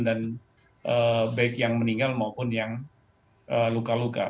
dan baik yang meninggal maupun yang luka luka